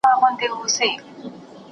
پښتونخوا له درانه خوبه را پاڅیږي